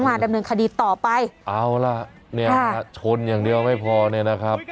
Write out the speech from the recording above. มาดำเนินคดีต่อไปเอาล่ะเนี่ยชนอย่างเดียวไม่พอเนี่ยนะครับ